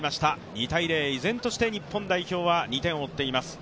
２−０、依然として日本代表は２点を追っています。